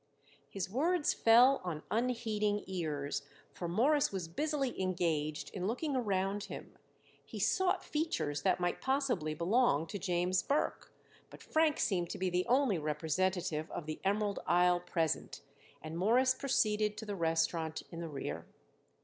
His words fell on unheeding ears, for Morris was busily engaged in looking around him. He sought features that might possibly belong to James Burke, but Frank seemed to be the only representative of the Emerald Isle present, and Morris proceeded to the restaurant in the rear.